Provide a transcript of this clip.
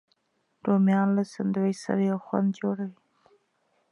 رومیان له سنډویچ سره یو خوند جوړوي